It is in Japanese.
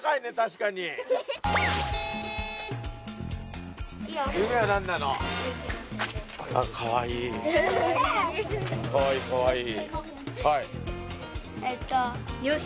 かわいいかわいい。